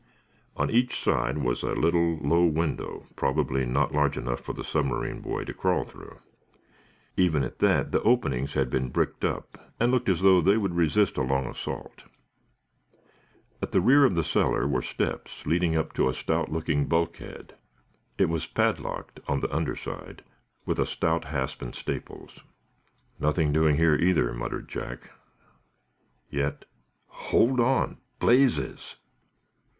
On each side was a little, low window, probably not large enough for the submarine boy to crawl through. Even at that the openings had been bricked up and looked as though they would resist a long assault. At the rear of the cellar were steps, leading up to a stout looking bulkhead. It was padlocked, on the under side, with stout hasp and staples. "Nothing doing here, either," muttered Jack. "Yet hold on blazes!"